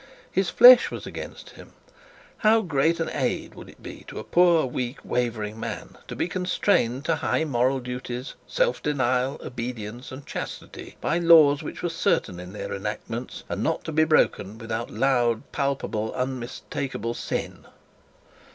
His flesh was against him: how great an aid would it be to a poor, weak, wavering man to be constrained to high moral duties, self denial, obedience, and chastity by laws which were certain in their enactments, and not to be broken without loud, palpable, unmistakable sin!